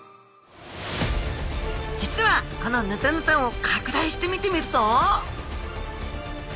実はこのヌタヌタを拡大して見てみると。